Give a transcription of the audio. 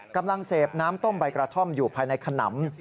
กำลังเสพน้ำต้มใบกระท่อมอยู่ภายในขนำ